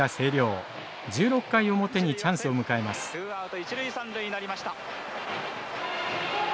ツーアウト一塁三塁になりました。